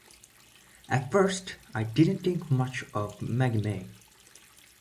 "At first, I didn't think much of "Maggie May.